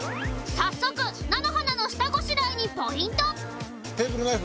早速菜の花の下ごしらえにポイント